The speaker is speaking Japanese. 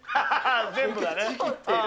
全部がね。